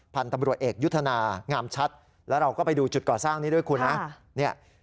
พันธุ์ตำรวจเอกยุทธนางามชัดแล้วเราก็ไปดูจุดก่อสร้างนี้ด้วยคุณนะ